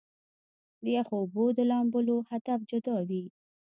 د يخو اوبو د لامبلو هدف جدا وي -